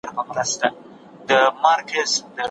د انسانانو درناوی کول زموږ اسلامي دنده ده.